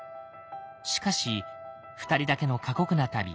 しかし２人だけの過酷な旅。